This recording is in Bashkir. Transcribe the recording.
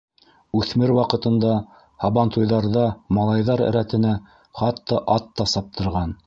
Үҫмер ваҡытында һабантуйҙарҙа малайҙар рәтенә хатта ат та саптырған.